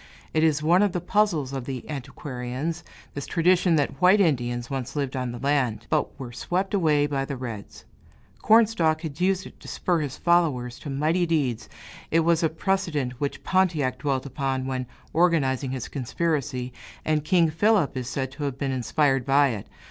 It is one of the puzzles of the antiquarians, this tradition that white Indians once lived in the land, but were swept away by the reds; Cornstalk had used it to spur his followers to mighty deeds, it was a precedent which Pontiac dwelt upon when organizing his conspiracy, and King Philip is said to have been inspired by it.